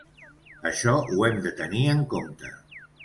Això ho hem de tenir en compte.